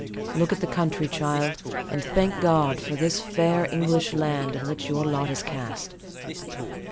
Look at the country, child; and thank God for this fair English land, in which your lot is cast.